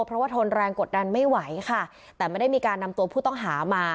เพราะว่าทนแรงกดดันไม่ไหวค่ะแต่ไม่ได้มีการนำตัวผู้ต้องหามา